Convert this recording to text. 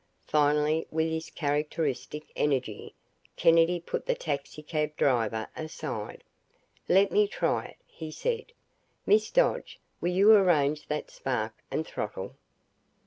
Finally with his characteristic energy, Kennedy put the taxicab driver aside. "Let me try it," he said. "Miss Dodge, will you arrange that spark and throttle?"